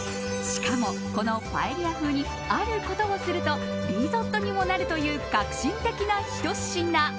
しかも、このパエリア風にあることをするとリゾットにもなるという革新的なひと品。